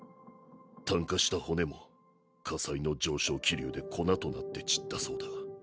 炭化した骨も火災の上昇気流で粉となって散ったそうだ。